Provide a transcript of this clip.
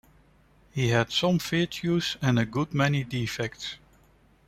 He had some virtues and a good many defects.